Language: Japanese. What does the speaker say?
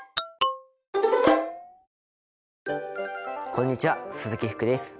こんにちは鈴木福です。